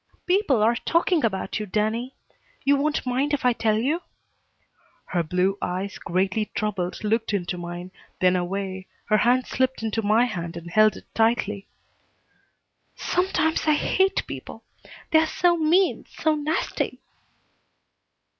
"People are talking about you, Danny. You won't mind if I tell you?" Her blue eyes, greatly troubled, looked into mine, then away, and her hand slipped into my hand and held it tightly. "Sometimes I hate people! They are so mean, so nasty!"